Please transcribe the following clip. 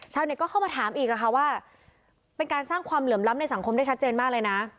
เน็ตก็เข้ามาถามอีกค่ะว่าเป็นการสร้างความเหลื่อมล้ำในสังคมได้ชัดเจนมากเลยนะ